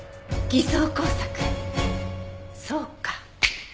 偽装工作そうか。